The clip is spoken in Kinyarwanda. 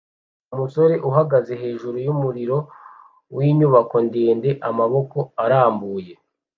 Umusore uhagaze hejuru yumuriro winyubako ndende amaboko arambuye